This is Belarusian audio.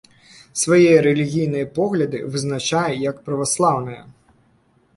Свае рэлігійныя погляды вызначае як праваслаўныя.